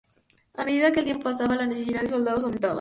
A medida que el tiempo pasaba, la necesidad de soldados aumentaba.